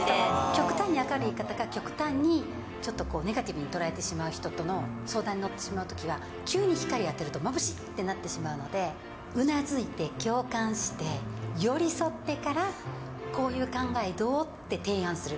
極端に明るい方が、極端にちょっとこう、ネガティブに捉えてしまう人の相談に乗ってしまうときは、急に光が当たってまぶしいって思ってしまうので、うなずいて、共感して、寄り添ってから、こういう考え方どう？って提案する。